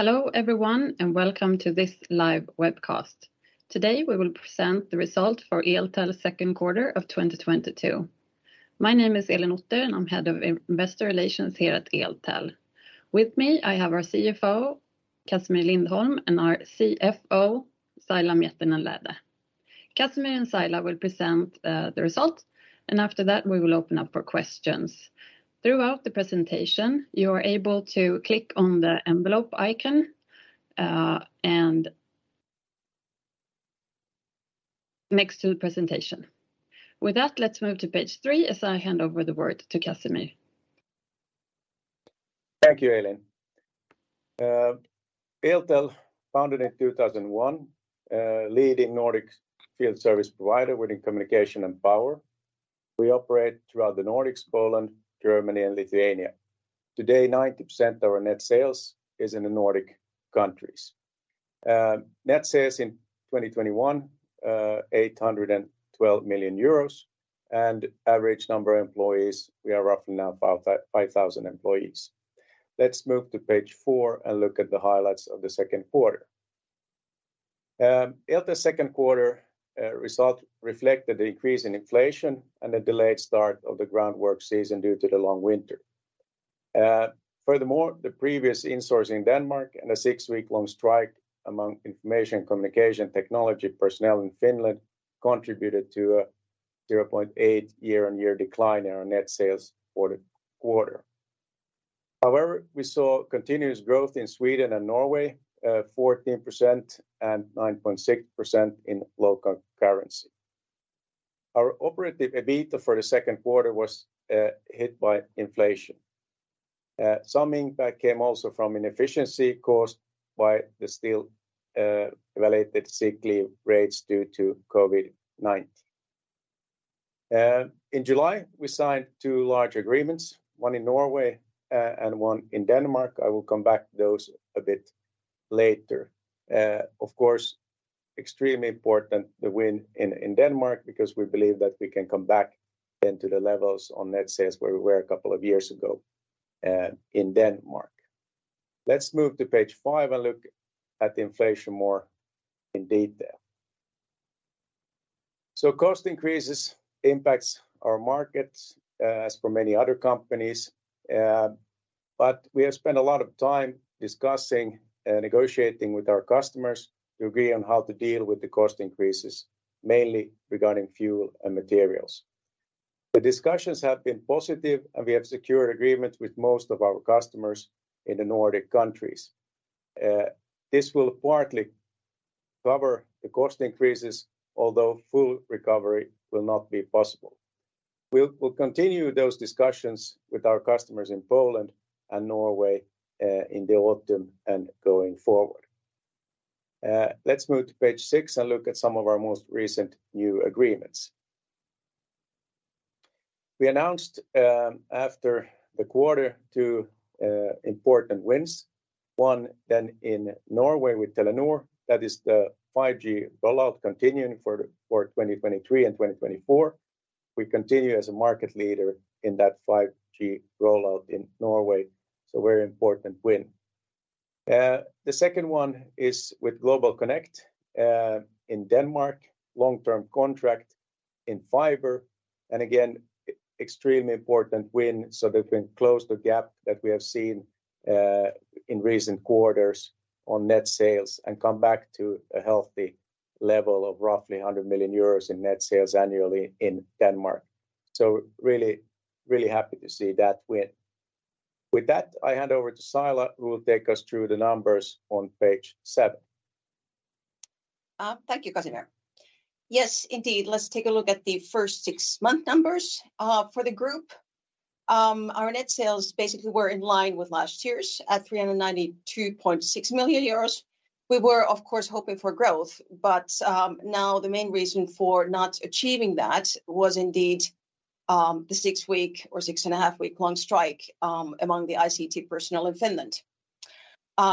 Hello everyone, and welcome to this live webcast. Today we will present the result for Eltel second quarter of 2022. My name is Elin Otter, and I'm Head of Investor Relations here at Eltel. With me, I have our CEO, Casimir Lindholm, and our CFO, Saila Miettinen-Lähde. Casimir and Saila will present the result, and after that we will open up for questions. Throughout the presentation, you are able to click on the envelope icon and next to the presentation. With that, let's move to page three as I hand over the word to Casimir. Thank you, Elin. Eltel, founded in 2001, a leading Nordic field service provider within communication and power. We operate throughout the Nordics, Poland, Germany, and Lithuania. Today, 90% of our net sales is in the Nordic countries. Net sales in 2021, 812 million euros. Average number of employees, we are roughly now 5,000 employees. Let's move to page four and look at the highlights of the second quarter. Eltel second quarter result reflected the increase in inflation and a delayed start of the groundwork season due to the long winter. Furthermore, the previous insourcing in Denmark and a six-week-long strike among information communication technology personnel in Finland contributed to a 0.8% year-on-year decline in our net sales for the quarter. However, we saw continuous growth in Sweden and Norway, 14% and 9.6% in local currency. Our Operative EBITA for the second quarter was hit by inflation. Some impact came also from inefficiency caused by the still related sick leave rates due to COVID-19. In July, we signed two large agreements, one in Norway and one in Denmark. I will come back to those a bit later. Of course, extremely important the win in Denmark because we believe that we can come back into the levels on net sales where we were a couple of years ago in Denmark. Let's move to page five and look at inflation more in detail. Cost increases impact our markets, as for many other companies. But we have spent a lot of time discussing and negotiating with our customers to agree on how to deal with the cost increases, mainly regarding fuel and materials. The discussions have been positive, and we have secured agreements with most of our customers in the Nordic countries. This will partly cover the cost increases, although full recovery will not be possible. We'll continue those discussions with our customers in Poland and Norway, in the autumn and going forward. Let's move to page six and look at some of our most recent new agreements. We announced, after the quarter two, important wins. One then in Norway with Telenor, that is the 5G rollout continuing for 2023 and 2024. We continue as a market leader in that 5G rollout in Norway, so very important win. The second one is with GlobalConnect, in Denmark. Long-term contract in fiber, and again, extremely important win so we can close the gap that we have seen, in recent quarters on net sales and come back to a healthy level of roughly 100 million euros in net sales annually in Denmark. Really, really happy to see that win. With that, I hand over to Saila, who will take us through the numbers on page seven. Thank you, Casimir. Yes, indeed, let's take a look at the first six-month numbers for the group. Our net sales basically were in line with last year's at 392.6 million euros. We were, of course, hoping for growth, but now the main reason for not achieving that was indeed the six-week or 6.5-week-long strike among the ICT personnel in Finland.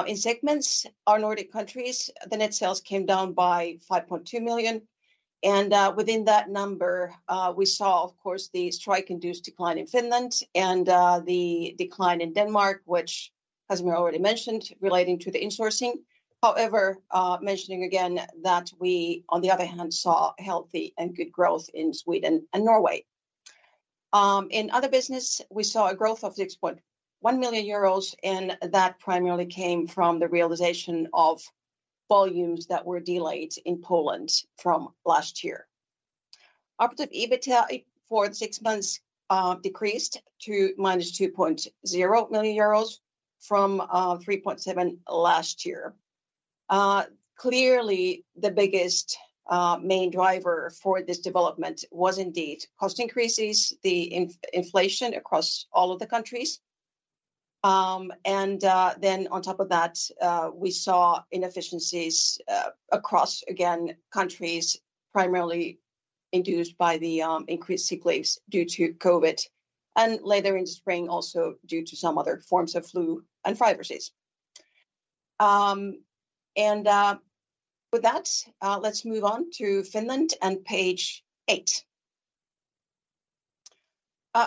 In segments, our Nordic countries, the net sales came down by 5.2 million, and within that number, we saw, of course, the strike-induced decline in Finland and the decline in Denmark, which Casimir already mentioned, relating to the insourcing. However, mentioning again that we, on the other hand, saw healthy and good growth in Sweden and Norway. In other business, we saw a growth of 6.1 million euros, and that primarily came from the realization of volumes that were delayed in Poland from last year. Operative EBITA for the six months decreased to -2.0 million euros from 3.7 million last year. Clearly the biggest main driver for this development was indeed cost increases, the inflation across all of the countries. On top of that, we saw inefficiencies across, again, countries primarily induced by the increased sick leaves due to COVID, and later in spring also due to some other forms of flu and viruses. With that, let's move on to Finland and page eight.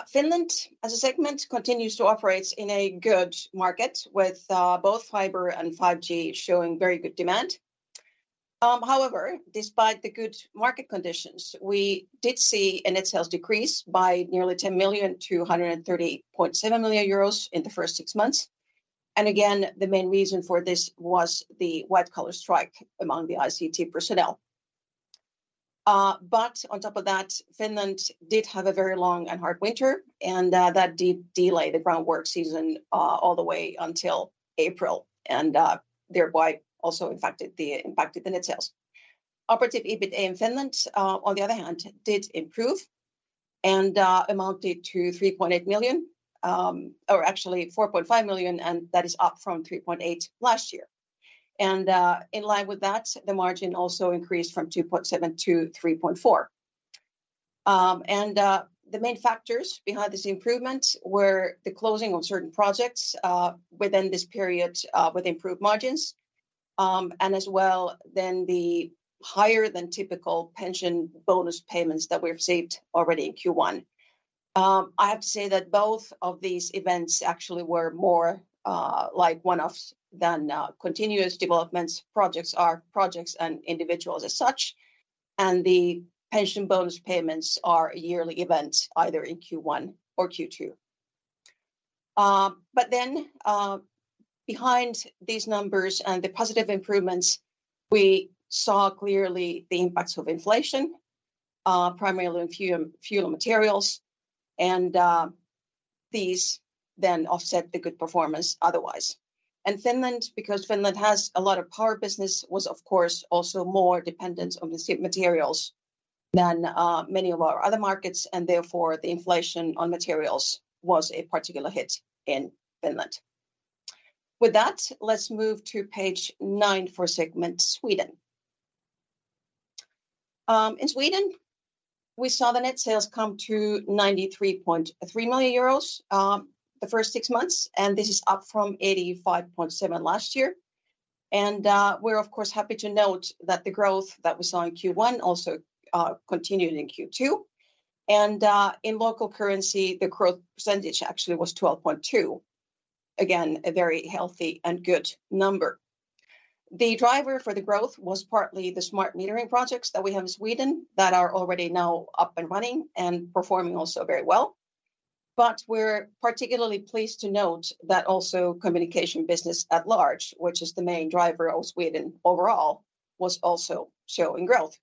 Finland as a segment continues to operate in a good market with both fiber and 5G showing very good demand. However, despite the good market conditions, we did see a net sales decrease by nearly 10 million-130.7 million euros in the first six months. Again, the main reason for this was the white-collar strike among the ICT personnel. But on top of that, Finland did have a very long and hard winter, and that did delay the groundwork season all the way until April and thereby also impacted the net sales. Operative EBITA in Finland, on the other hand, did improve and amounted to 3.8 million, or actually 4.5 million, and that is up from 3.8 million last year. In line with that, the margin also increased from 2.7%-3.4%. The main factors behind this improvement were the closing of certain projects within this period with improved margins, and as well then the higher than typical pension bonus payments that we've received already in Q1. I have to say that both of these events actually were more like one-offs than continuous developments. Projects are projects and individuals as such, and the pension bonus payments are a yearly event, either in Q1 or Q2. Behind these numbers and the positive improvements, we saw clearly the impacts of inflation primarily in fuel and materials, and these then offset the good performance otherwise. Finland, because Finland has a lot of power business, was of course also more dependent on the said materials than many of our other markets, and therefore the inflation on materials was a particular hit in Finland. With that, let's move to page nine for segment Sweden. In Sweden, we saw the net sales come to 93.3 million euros the first six months, and this is up from 85.7 million last year. We're of course happy to note that the growth that we saw in Q1 also continued in Q2. In local currency, the growth percentage actually was 12.2%. Again, a very healthy and good number. The driver for the growth was partly the smart metering projects that we have in Sweden that are already now up and running and performing also very well. We're particularly pleased to note that also communication business at large, which is the main driver of Sweden overall, was also showing growth.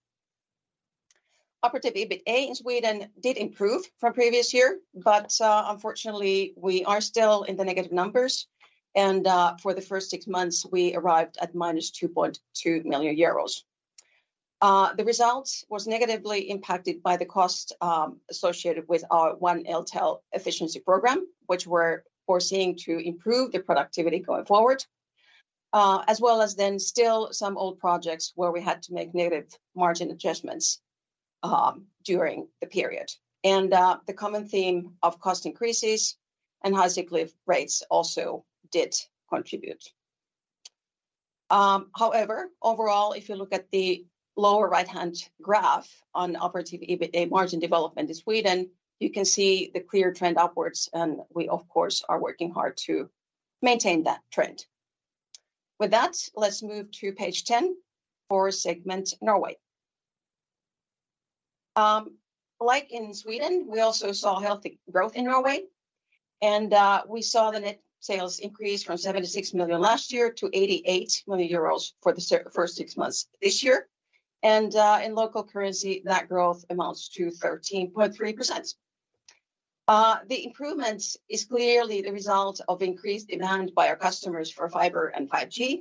Operative EBITA in Sweden did improve from previous year, but unfortunately we are still in the negative numbers and for the first six months we arrived at -2.2 million euros. The results was negatively impacted by the cost associated with our One Eltel efficiency program, which we're foreseeing to improve the productivity going forward, as well as then still some old projects where we had to make negative margin adjustments during the period. The common theme of cost increases and high cyclical rates also did contribute. However, overall, if you look at the lower right-hand graph on Operative EBITA margin development in Sweden, you can see the clear trend upwards, and we of course are working hard to maintain that trend. With that, let's move to page 10 for segment Norway. Like in Sweden, we also saw healthy growth in Norway, and we saw the net sales increase from 76 million last year-EUR 88 million for the first six months this year. In local currency, that growth amounts to 13.3%. The improvement is clearly the result of increased demand by our customers for fiber and 5G.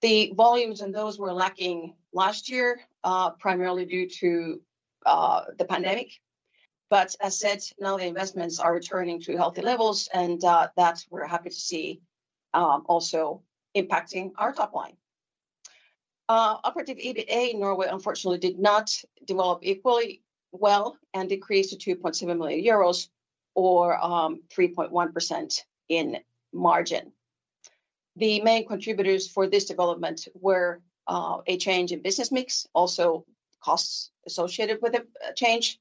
The volumes in those were lacking last year, primarily due to the pandemic. As said, now the investments are returning to healthy levels and that we're happy to see also impacting our top line. Operative EBITA in Norway unfortunately did not develop equally well and decreased to 2.7 million euros or 3.1% in margin. The main contributors for this development were a change in business mix, also costs associated with the change,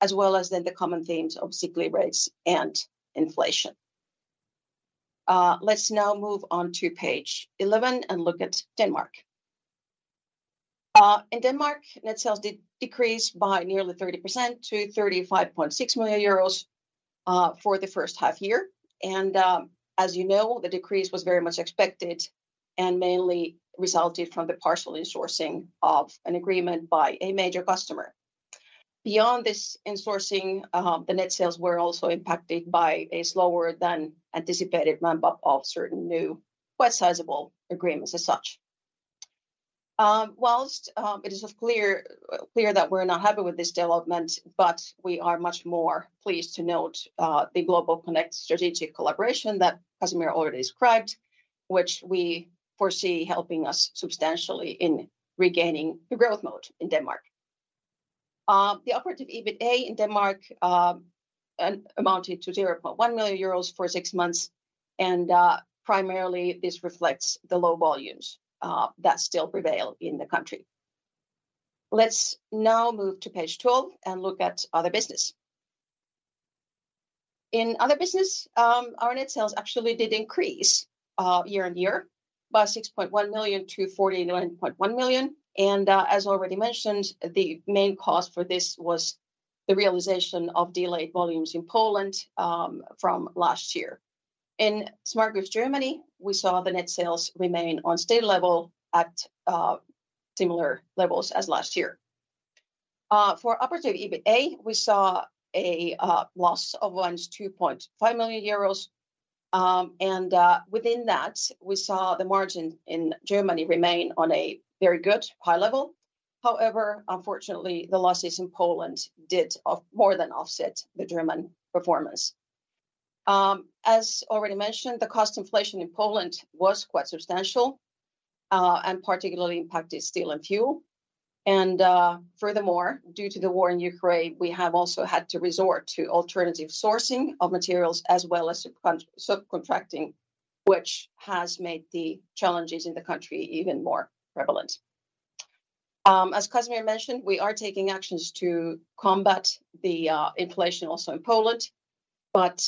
as well as then the common themes of cyclical rates and inflation. Let's now move on to page 11 and look at Denmark. In Denmark, net sales did decrease by nearly 30% to 35.6 million euros for the first half year. As you know, the decrease was very much expected and mainly resulted from the partial insourcing of an agreement by a major customer. Beyond this insourcing, the net sales were also impacted by a slower than anticipated ramp-up of certain new quite sizable agreements as such. While it is clear that we're not happy with this development, but we are much more pleased to note the GlobalConnect strategic collaboration that Casimir already described, which we foresee helping us substantially in regaining the growth mode in Denmark. The operative EBITA in Denmark amounted to 0.1 million euros for six months and primarily this reflects the low volumes that still prevail in the country. Let's now move to page 12 and look at other business. In other business, our net sales actually did increase year-on-year by 6.1 million-49.1 million, and as already mentioned, the main cause for this was the realization of delayed volumes in Poland from last year. In Eltel Germany, we saw the net sales remain on steady level at similar levels as last year. For Operative EBITA, we saw a loss of -2.5 million euros, and within that we saw the margin in Germany remain on a very good high level. However, unfortunately, the losses in Poland did more than offset the German performance. As already mentioned, the cost inflation in Poland was quite substantial, and particularly impacted steel and fuel and furthermore, due to the war in Ukraine, we have also had to resort to alternative sourcing of materials as well as subcontracting, which has made the challenges in the country even more prevalent. As Casimir mentioned, we are taking actions to combat the inflation also in Poland, but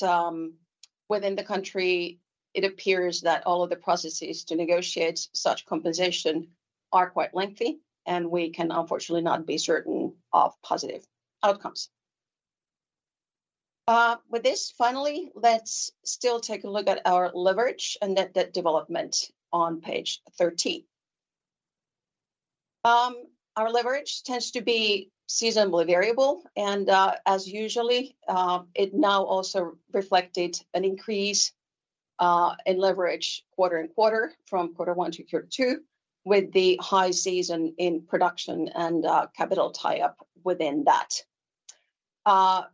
within the country it appears that all of the processes to negotiate such compensation are quite lengthy, and we can unfortunately not be certain of positive outcomes. With this, finally, let's still take a look at our leverage and net debt development on page 13. Our leverage tends to be seasonally variable and as usual it now also reflected an increase in leverage quarter on quarter from quarter one to quarter two, with the high season in production and capital tie-up within that.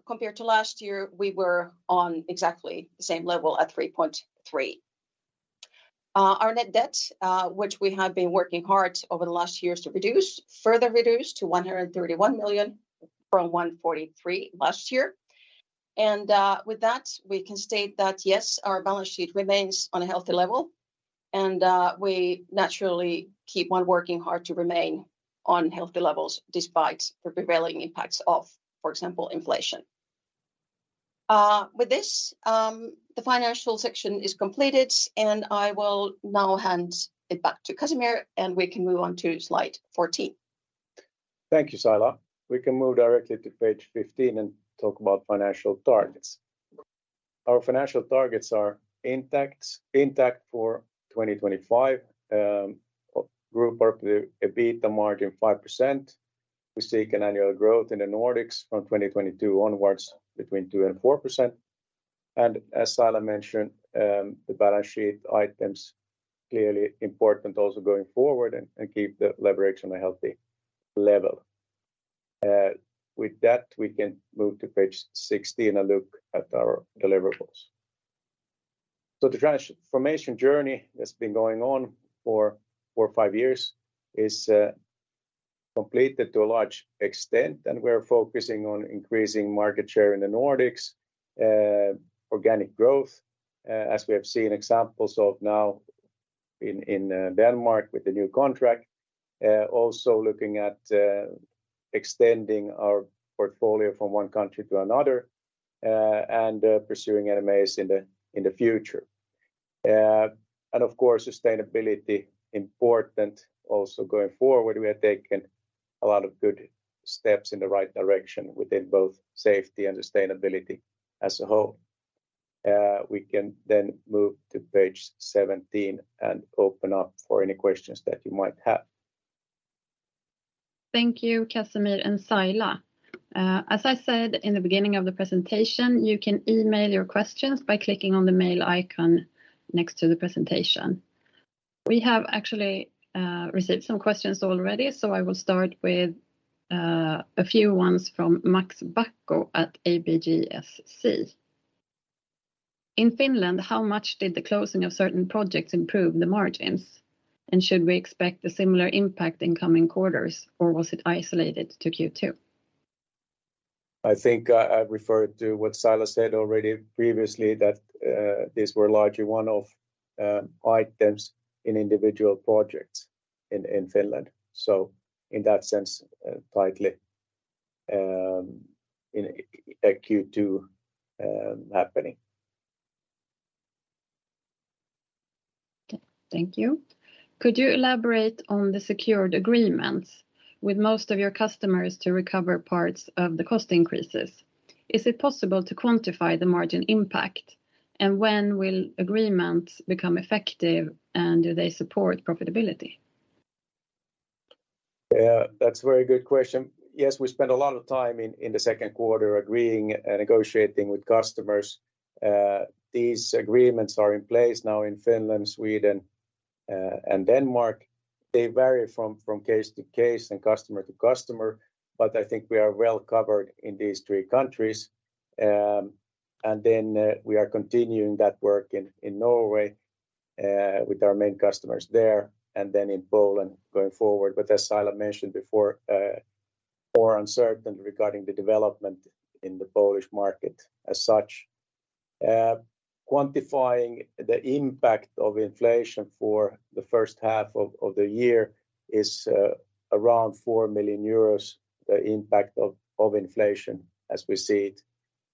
Compared to last year, we were on exactly the same level at 3.3. Our net debt, which we have been working hard over the last years to reduce, further reduced to 131 million from 143 million last year, and with that we can state that, yes, our balance sheet remains on a healthy level and we naturally keep on working hard to remain on healthy levels despite the prevailing impacts of, for example, inflation. With this, the financial section is completed, and I will now hand it back to Casimir, and we can move on to slide 14. Thank you, Saila. We can move directly to page 15 and talk about financial targets. Our financial targets are intact for 2025. Group operative EBITDA margin 5%. We seek an annual growth in the Nordics from 2022 onwards between 2% and 4%. As Saila mentioned, the balance sheet items clearly important also going forward and keep the leverage on a healthy level. With that, we can move to page 16 and look at our deliverables. The transformation journey that's been going on for four or five years is completed to a large extent, and we're focusing on increasing market share in the Nordics, organic growth, as we have seen examples of now in Denmark with the new contract. Also looking at extending our portfolio from one country to another, and pursuing M&As in the future. Of course, sustainability important also going forward. We have taken a lot of good steps in the right direction within both safety and sustainability as a whole. We can move to page 17 and open up for any questions that you might have. Thank you, Casimir and Saila. As I said in the beginning of the presentation, you can email your questions by clicking on the mail icon next to the presentation. We have actually received some questions already, so I will start with a few ones from Max Backe at ABGSC. In Finland, how much did the closing of certain projects improve the margins? And should we expect a similar impact in coming quarters, or was it isolated to Q2? I think I refer to what Saila said already previously, that these were largely one-off items in individual projects in Finland. In that sense, likely in a Q2 happening. Okay. Thank you. Could you elaborate on the secured agreements with most of your customers to recover parts of the cost increases? Is it possible to quantify the margin impact? And when will agreements become effective, and do they support profitability? Yeah, that's a very good question. Yes, we spent a lot of time in the second quarter agreeing and negotiating with customers. These agreements are in place now in Finland, Sweden, and Denmark. They vary from case to case and customer to customer, but I think we are well covered in these three countries. We are continuing that work in Norway with our main customers there, and then in Poland going forward. As Saila mentioned before, more uncertain regarding the development in the Polish market as such. Quantifying the impact of inflation for the first half of the year is around 4 million euros, the impact of inflation as we see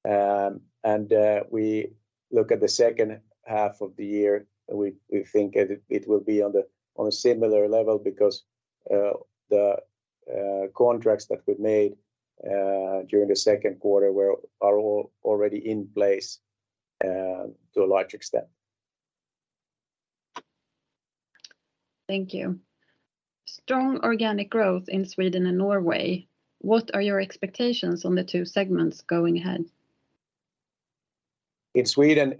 it. We look at the second half of the year, and we think it will be on a similar level because the contracts that we've made during the second quarter are all already in place to a large extent. Thank you. Strong organic growth in Sweden and Norway. What are your expectations on the two segments going ahead? In Sweden,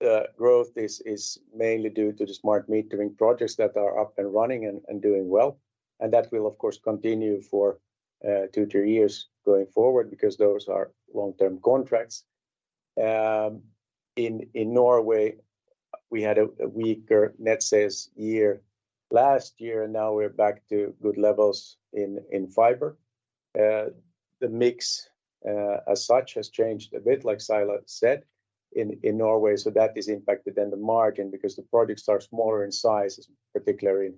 the growth is mainly due to the smart metering projects that are up and running and doing well. That will, of course, continue for two-three years going forward because those are long-term contracts. In Norway, we had a weaker net sales year last year, and now we're back to good levels in fiber. The mix as such has changed a bit, like Saila said, in Norway, so that has impacted then the margin because the projects are smaller in size, particularly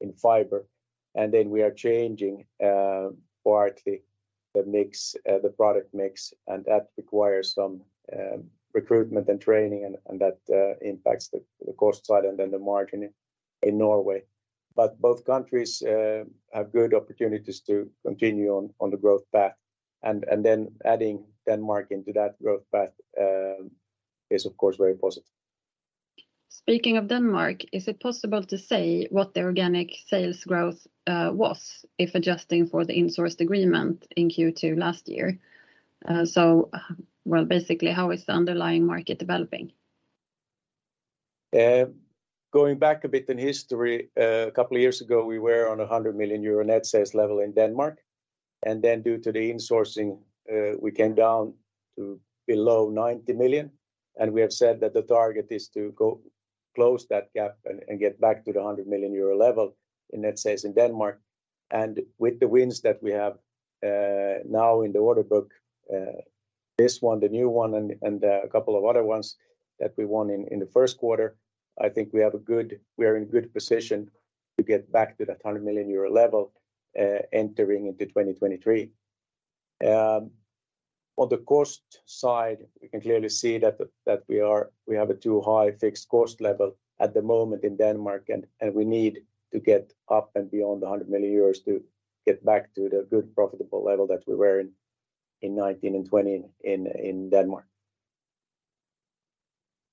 in fiber. We are changing partly the mix, the product mix, and that requires some recruitment and training and that impacts the cost side and then the margin in Norway. Both countries have good opportunities to continue on the growth path. Adding Denmark into that growth path is, of course, very positive. Speaking of Denmark, is it possible to say what the organic sales growth was if adjusting for the insourced agreement in Q2 last year? Well, basically, how is the underlying market developing? Going back a bit in history, a couple of years ago, we were on a 100 million euro net sales level in Denmark, and then due to the insourcing, we came down to below 90 million. We have said that the target is to close that gap and get back to the 100 million euro level in net sales in Denmark. With the wins that we have now in the order book, this one, the new one, and a couple of other ones that we won in the first quarter, I think we are in good position to get back to that 100 million euro level entering into 2023. On the cost side, we can clearly see that we have a too high fixed cost level at the moment in Denmark, and we need to get up and beyond 100 million euros to get back to the good profitable level that we were in 2019 and 2020 in Denmark.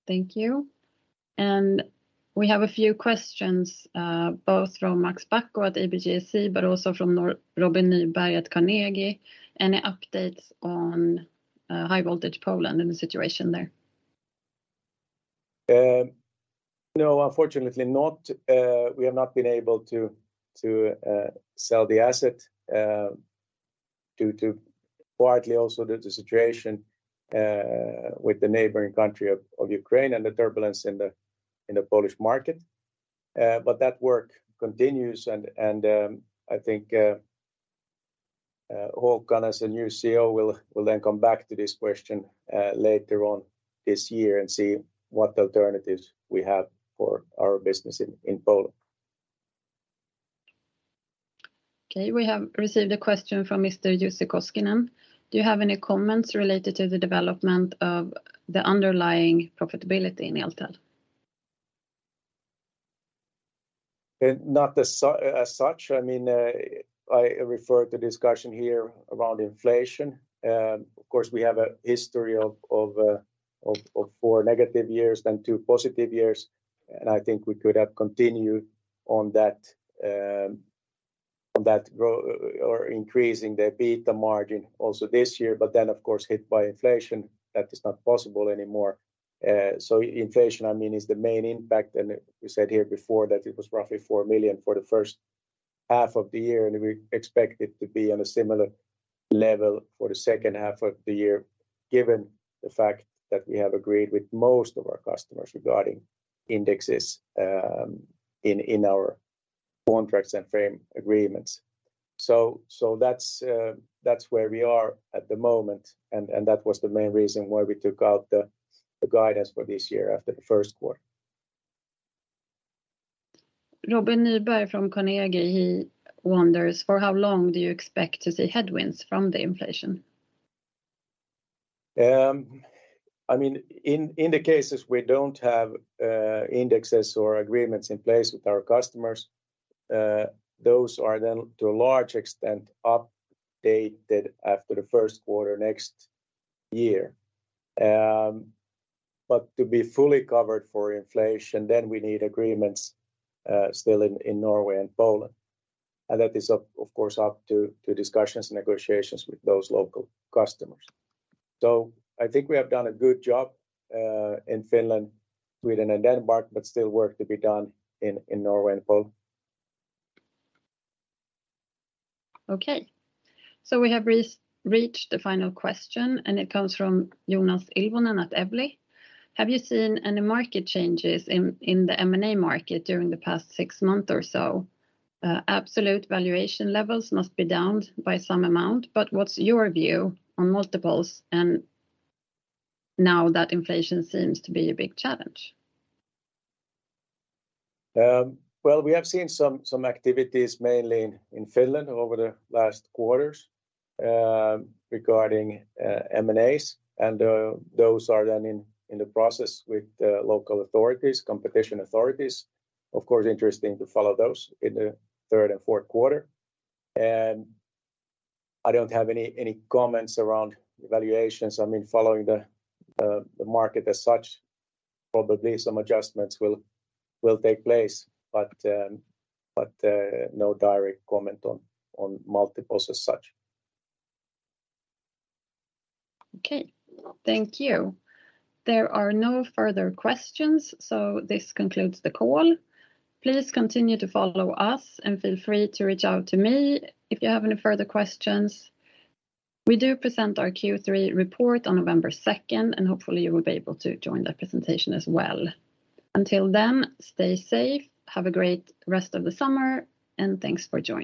Thank you. We have a few questions, both from Max Backe at ABGSC, but also from Robin Nyberg at Carnegie. Any updates on High Voltage Poland and the situation there? No, unfortunately not. We have not been able to sell the asset due to partly also the situation with the neighboring country of Ukraine and the turbulence in the Polish market. That work continues and I think Håkan as the new CEO will then come back to this question later on this year and see what alternatives we have for our business in Poland. Okay. We have received a question from Mr. Jussi Koskinen. Do you have any comments related to the development of the underlying profitability in Eltel? Not as such. I mean, I refer to discussion here around inflation. Of course, we have a history of four negative years, then two positive years. I think we could have continued on that or increasing the EBITDA margin also this year. Of course, hit by inflation, that is not possible anymore. Inflation, I mean, is the main impact. We said here before that it was roughly 4 million for the first half of the year, and we expect it to be on a similar level for the second half of the year, given the fact that we have agreed with most of our customers regarding indexes in our contracts and frame agreements. That's where we are at the moment, and that was the main reason why we took out the guidance for this year after the first quarter. Robin Nyberg from Carnegie, he wonders, for how long do you expect to see headwinds from the inflation? I mean, in the cases we don't have indexes or agreements in place with our customers, those are then, to a large extent, updated after the first quarter next year. To be fully covered for inflation, then we need agreements still in Norway and Poland. That is, of course, up to discussions and negotiations with those local customers. I think we have done a good job in Finland, Sweden, and Denmark, but still work to be done in Norway and Poland. Okay. We have reached the final question, and it comes from Joonas Ilvonen at Evli. Have you seen any market changes in the M&A market during the past six months or so? Absolute valuation levels must be down by some amount, but what's your view on multiples and now that inflation seems to be a big challenge? Well, we have seen some activities mainly in Finland over the last quarters regarding M&As, and those are then in the process with the local authorities, competition authorities. Of course, interesting to follow those in the third and fourth quarter. I don't have any comments around valuations. I mean, following the market as such, probably some adjustments will take place, but no direct comment on multiples as such. Okay. Thank you. There are no further questions, so this concludes the call. Please continue to follow us and feel free to reach out to me if you have any further questions. We do present our Q3 report on November 2nd, and hopefully, you will be able to join that presentation as well. Until then, stay safe. Have a great rest of the summer, and thanks for joining.